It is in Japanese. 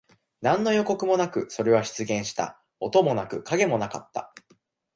何の予告もなく、それは出現した。音もなく、影もなかった。